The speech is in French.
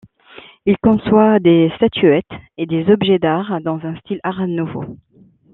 Il conçoit des statuettes et des objets d'art dans un style Art nouveau.